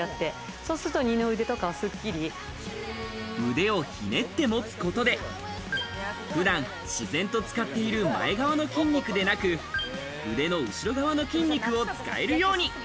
腕をひねって持つことで、普段自然と使っている前側の筋肉でなく、腕の後ろ側の筋肉を使えるように。